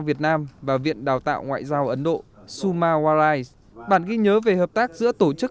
việt nam và viện đào tạo ngoại giao ấn độ sumawarais bản ghi nhớ về hợp tác giữa tổ chức